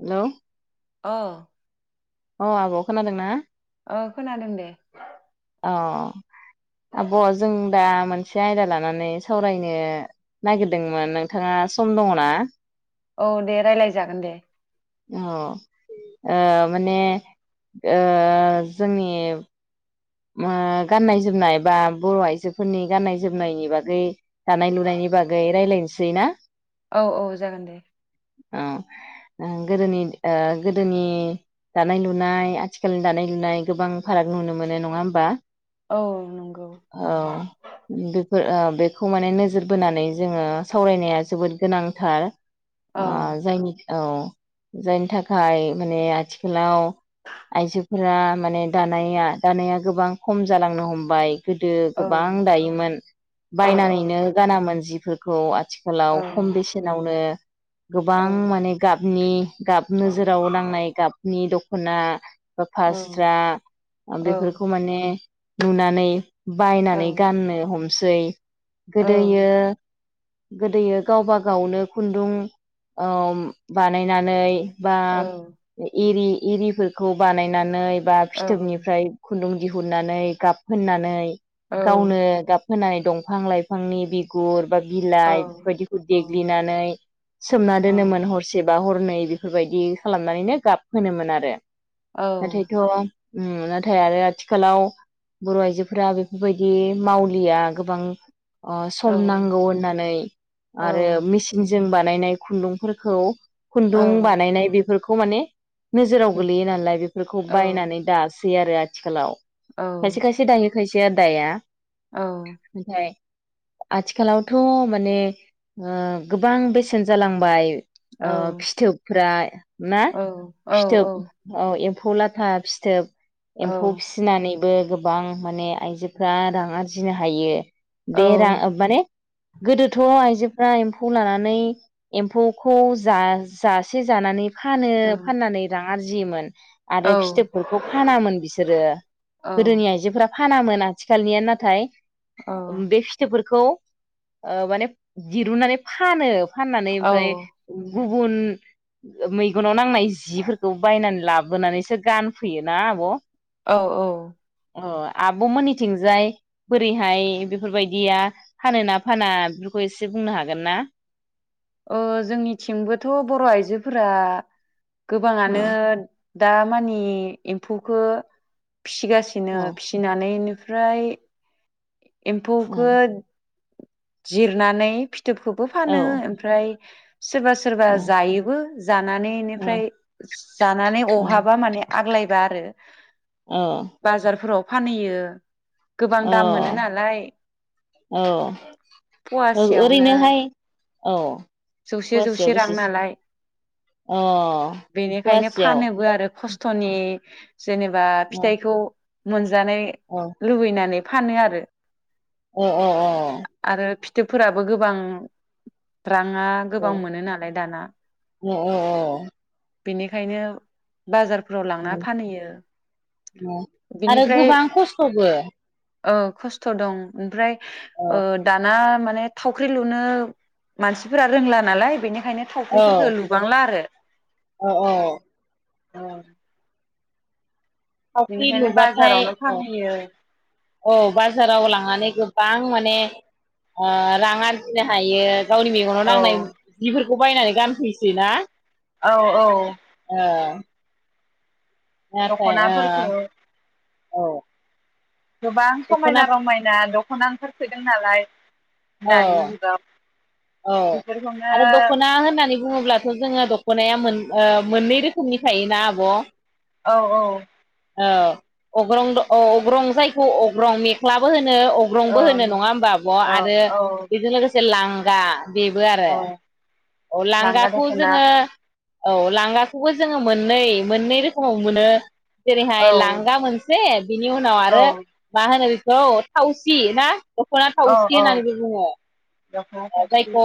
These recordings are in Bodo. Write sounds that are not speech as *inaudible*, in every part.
हेलौ अ अ आब' खोनादोंना? ओ खोनादों दे। अ आब' जों दा मोनसे आयदा लानानै सावरायनो नागिरदोंमोन नोंथाङा सम दङ ना? औ दे रायज्लाय जागोन दे। औ-ओ माने ओ जोंनि उम गाननाय-जोमनाय बा बर' आइजोफोरनि गाननाय-जोमनायनि बागै दानाय-लुनायनि बागै रायज्लायनो सैना। औ-औ जागोन दे। औ ओ गोदोनि ओ गोदोनि दानाय-लुनाय आथिखालनि दानाय-लुनाय गोबां फाराग नुनो मोनो न ङा होमबा। औ नंगौ औ ओ बेखौ माने नोजोर बोनानै जोङो सावरायनाया जोबोद गोनांथार। औ ओ जायनि औ जायनि थाखाय माने आथिखालाव आइजोफोरा माने दानाया दानाया गोबां खम जालांनो हमबाय। गोदो औ गोबां दायोमोन औ बायनानैनो गानामोन जि फोरखौ आथि औ खालाव खम बेसेनावनो औ गोबां माने गाब नि गाब नोजोराव नांनाय गाबनि दख ख'ना बा औ फास्रा औ बेफोरखौ नुनानै औ बायनानै गाननो हमो सै औ गोदोयो गोदोयो गावबा गावनो खुन्दुं ओ बानायनानै बा औ इरि इरिफोरखौ बानायनानै बा फिथोबनिफ्राय खुन्दुं दिहुननानै गाब फोननानै औ औ गावनो गाब होनानै दंफां लाइफांनि बिगुर बा बिलाइ बेफोरबायदिखौ औ देग्लिनानै सोमना दोनोमोन हरसे बा हरनै नै बेफोरबायदि खालामनानैनो गाब फोनोमोन आरो *unintelligible* उम नथाय आरो आथिखालाव बर' आइजोफोरा बेफोरबायदि मावलिया गोबां अ सम नांगौ होननानै आरो मेचिनजों जों बानायनाय खुन्दुंफोरखौ खुन्दुं बानायनाय बे फोरफोरखौ माने नोजोराव गोलैयो नालाय बेफोरखौ बायनानै दासो सै आरो आथिखालाव खायसे खायसे दायो खायसेया आदाया ओमफाय आथिखालावथ' माने ओ गोबां बेसेन जालांबाय। ओ फिथोबफ्रा ना फिथोब औ ए फौ लाथा फिथोब एम्फौ फिसिनानै बो गोबां माने आइजोफ्रा रां आरजिनो हायो बेेरा माने गोदोथ' आइजोफ्रा एम्फौ लानानै एम्फौखौ जा जासे जानानै फानो फाननानै रां आरजियोमोन आरो फिथोबफोरखौ फानामोन। रो गोदोनि आइजोफोरा फानामोन आथिखालनिया नाथाय औ बे फिथोबफोरखौ खौ माने दिरुननानै फानो। फाननानै औ ओमफ्राय गुबुन मैगनाव नांनाय जिफोरखौ बायनानै लाबोनानैसो गानफैयो ना आब'। औ औ। अ आब'मोननिथिंजाय बोरैहाय बेफोरबायदिया फानो ना फाना बेफोरखौ एसे बुंनो हागोन ना? ओ जोंनिथिंबोथ' बर' आइजोफोरा *unintelligible* अ गोबाङानो दा मानि एम्फौखो फिसिगासिनो औ फिसिनानै ओमफ्राय औ एम्फौखौ जिरनानै फि फिथोबखौबो औ फानो ओमफ्राय सोरबा सोरबा जायोबो जानानै औ बेनिफ्राय जानानै औ अहाबा माने आग्लायबा आरो बाजारफोराव फानहैयो गोबां औ दाम मोनो नालाय ओ फवासेयावनो ओरैनोहाय औ जौसे फवासेयाव जौसे रां बेसे नालाय अ बेनिखायनो फवासेयाव फानोबो आरो खस थ'नि जेनेबा अ फिथाइखौ मोनज जानाय अ लुबैनानै फानो आरो अ अ अ फोराबो गोबां रा ना अ गोबां मोनो नालाय दाना। अ बेनिखायनो बाजारफोराव लांना फानहैयो आरो बिनिफ्राय गोबां खस्थ'बो ओ खस्थ' दं ओमफ्राय औ ओ दाना माने थावख्रि लुनो मानसिफोरा रोंला नालाय बेनि खायनो थावख्रिफोरफोरखौ लुबांला आरो अ अ औ थावख्रि बेनिखायनो लुबाथाय बाजारावनो औ फानहैयो औ बाजाराव लांनानै गो बां माने रां ओ आरजिनो हायो। गावनि मेगनाव औ नांनाय जिफोर खौ बायनानै गानफैसै ना औ औ ओ *unintelligible* दख'नाफोरखौ औ गोबां दख'ना समायना रमायना दख दख'ना ओंखारसोदों नालाय औ दानि जुगाव औ बेफोरखौनो आरो दख'ना होननानै बुङोब्लाथ' जों दख'नाया मोन ओ मोननै रोखोमनि थायोना आब' औ औ औ अग्रं अग्रं जायखौ अग्रं मेख्लाबो होनो अग्रंबो होनो नङा औ होमबाब' आरो औ बेजों लोगोसे लां दा बेबो आरो औ अ लांगा लांगाखौ दख'ना जोङो औ लांगाखौबो जोङो मोननै मोननै रोखोमाव मोनो जेरैहाय औ लांगा से बिनि उनाव औ आरो मा होनो औ थावसि ना दख'ना औ थावसि औ होननानैबो बुङो दखना थावसि जायखौ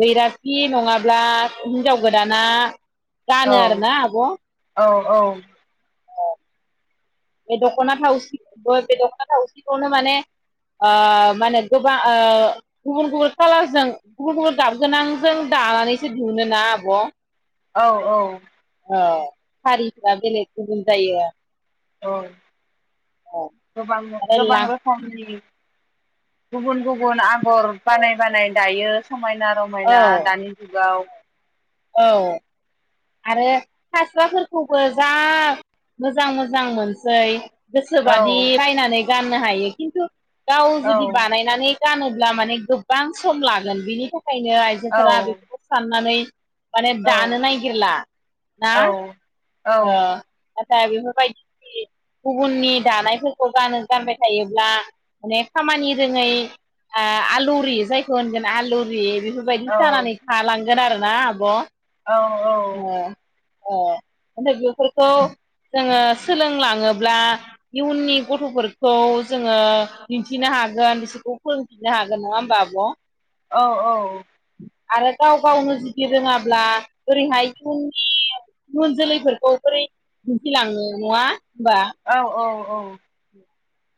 बैराथि नङाब्ला हिनजाव गोदाना औ गानो आरोना आब' औ औ बे दख'ना थावसि बे दख'ना थावसिखौनो माने ओ मानो गोबां गुबुन गुबुन कालारजों गुबुन गुबुन गाबगोनांजों दानानैसो दिहुननो ना आब' औ औ अ हारिफ्रा बेलेग गुबुन जायो आरो औ गोबां आरो गोबां ला रोखोमनि गुबुन गुबुन आगर बानाय बानाय दायो समायना औ रमायना दानि जुगाव औ आरो फास्राफोरखौबो जा मोजां मोजां मोनसै गोसोबादि औ नायनानै गाननो हायो खिन्थु गाव औ जुदि बानायनानै गानोब्ला माने गोबां सम लागोन बेनि था खायनो औ आइजोफोरा बेफोरखौ साननानै माने औ दानो ना गिरला ना औ अ दा बेफोरबायदि गुबुननि दानायफोरखौ गानो गानबाय थायोब्ला माने खामानि रोङै आलौरि जायखौ होनगोन आलौरि बेफोरबायदि जानानै औ थालां गोन आरोना आब' औ औ। अ ओमफ्राय बेफोरखौ जोङो सोलोंलाङोब्ला इयुननि गथ'फोरखौ जोङो दिन्थिनो हागोन बिसोरखौ फोरोंफिननो हागोन नङा होमबा आब'? औ औ। आरो गाव गावनो जुदि रोङाब्ला ओरैहाय *unintelligible* इउन जोलैफोरखौ बोरै दिन्थिलांनो नङा? होमबा औ औ। औ।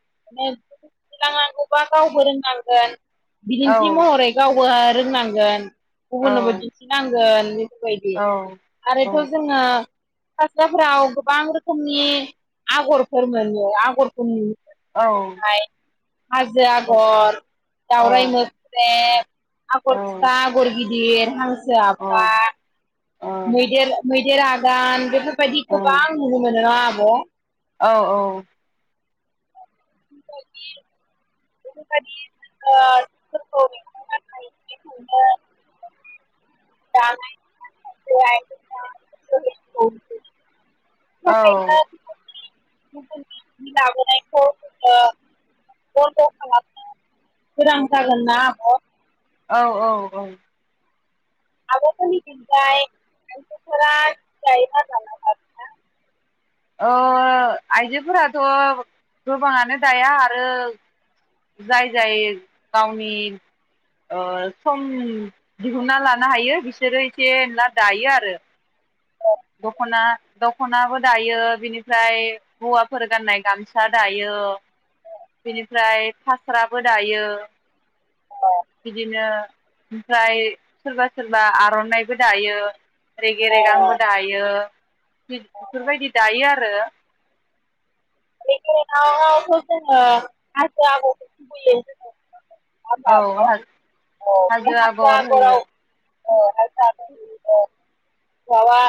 *unintelligible* नांगौबा गावबो रोंनांगोन। बिदिन्थि महरै गाव बो रोंनांगोन। गुबुननोबो दिन्थिनांगोन। बेफोरबायदि आरोथ' जोंङो फास्राफोराव गोबां रोखोमनि आगरफोर मोनो आगरफोरनि औ। हाजो आगर दावराय मोख्रेब आगर फिसा आगर गिद दिर हाज जो आफा मैदेर मै देर आगान बेफोर बायदि गोबां नुनो मोनो आ हो औ औ। *inaudible* *inaudible* *inaudible* गुबुननि जि लाबोनायखौ ओ बन्द' खालामनो गोनां जागोन ना आब' औ औ औ। आबमोननि थिंजाय आयजोफोरा जि दायोना दाला दानिया? ओ आइजोफोराथ' गोबाङानो दाया आरो जाय जाय गावनि ओ सम दिहुनना लानो हायो बिसोरो एसे एला दायो आरो दख'ना दख'नाबो दायो बिनि फ्राय हौवा फोर गाननाय गामसा दायो बेनिफ्राय फास्राबो दायो बिदिनो ओमफ्राय सोरबा सोरबा आर'नाइबो दायो। रेगे रेगांबो दायो बेफोर बायदि दायो आरो। रेगे रेगां आवथ' जोङो हाजो आगर औ *unintelligible* *inaudible* हाजो अ आगर बे होयो हाजो आगराव अ *unintelligible*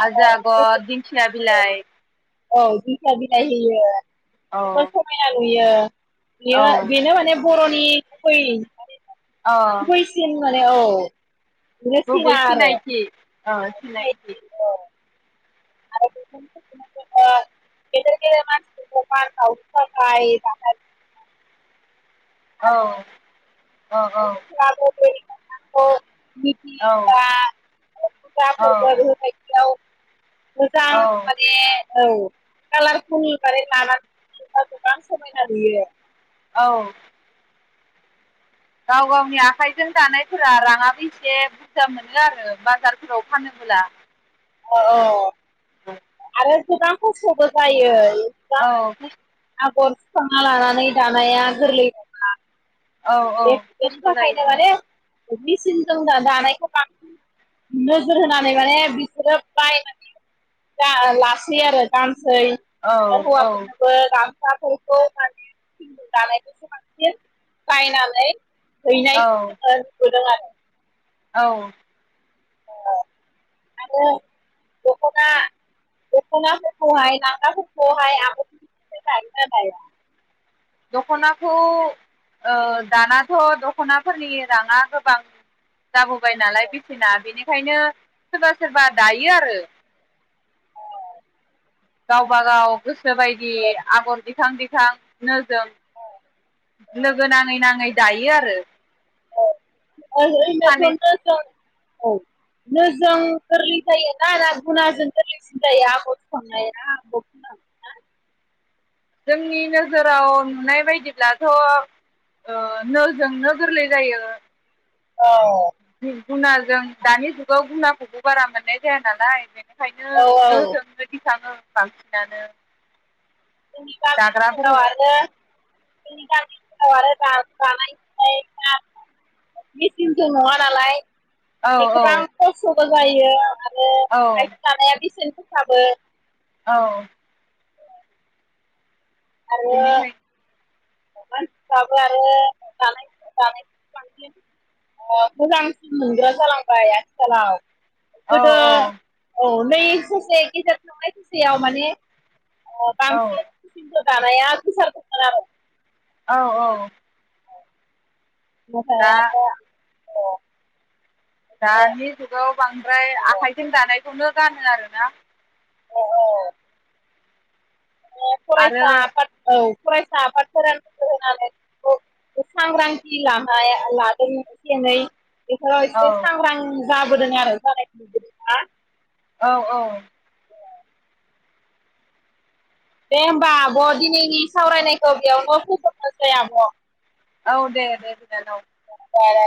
हाजो आगर, दिंखिया बिलाइ औ दिंखिया बिलाइ होयो। औ जोबोर समायना नुयो। यो। बेयो औ बेनो माने बर'नि नि गुबै अ गुबैसिन माने औ। बेनो सिना गुबै आरो सिनायथि। आ सिनायथि। आरो *unintelligible* गेदेर गेदेर मानासि *unintelligible* औ औ औ *unintelligible* अ मिथि औ बा औ *unintelligible* मोजां औ माने औ खालार फुल माने लानानै गोबां समायना नुयो। औ गाव गावनि आखाइजों दानाय फोरा राङाबो एसे बुरजा मोनो आरो बाजार फोराव फानोबोला। अ औ औ आरो गोबां खस्थ'बो जायो। औ। खांना लानानै दानाया गोरलै नङा। औ बे बेनि खस्थ' जायो थाखायनो माने मेचनजों दा दानायखौ बांसिन नोजोर होनानै माने बिसोरो बायनानै ला लासै आरो दाम सै औ आरो हौवा औ फोरनोबो गाम। *unintelligible* *unintelligible* *unintelligible* औ *unintelligible* औ आरो दखना दख'नाफोरखौहाय नांगाफोरखौावहाय आगाग दाया दख'नाखौ दानाथ' दख'नाफोरनि राङा गोबां जाबोबाय नालाय बेसेना बेनिखायनो सोरबा सोरबा दायो आरो गावबा गाव गोसो बायदि आगर दिखां दिखां नो जों लोगो नाङै नाङै दायो आरो *unintelligible* सानै औ नोजों गोरलै जायोना आरो गुनाजों गोरलैसिन जायो आगर सखांनाया आ खा जोंनि नोजोराव नुनाय बायदिब्लाथ' ओ नोजोंनो गोरलै जायो औ गुनाजों दानि जुगाव गुनाखौबो बारा मोननाय जाया नालाय बेनो औ औ बांसिनानो *unintelligible* नि गामिाव दाग्राफोरखौ आरो जानायनि मेचनजों नङा नालाय औ औ एसेबां कस थ' जायो औ फोसाबो औ आरो बेनिखाय मानसिफ्राबो आरो दानाय दानाय बांसिन मोजांसिन मोनग्रा जालांबाय आथिखालाव औ गोदो औ औ बै ससे गेेजेर थांनाय ससेयाव माने अ औ बांसिन दानाया गोसार गोसार आरो औ औ दा बुंखायाबा अह दानि जुगाव बांद्राय आखाइजों दानाय खौनो गानो आरो ना आरो फरायसा आफाद औ फरायसा आफादफोरा नोजोर होनानै सांग्रांथि लानाय लादों एसे एनै बेखौ औ एसे सांग्रां जाबोदों आरो जानाय ना औ औ दे होमबा आब' दिनैनि सावरायनायखौ बेयावनो फोजोबनोसै आब' औ दे दे बिनानाव बारा